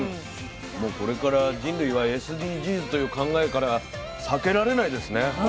もうこれから人類はＳＤＧｓという考えから「避け」られないですね。